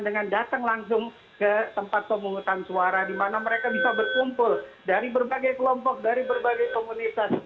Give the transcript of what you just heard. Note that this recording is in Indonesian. dengan datang langsung ke tempat pemungutan suara di mana mereka bisa berkumpul dari berbagai kelompok dari berbagai komunitas